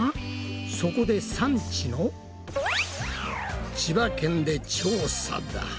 そこで産地の千葉県で調査だ。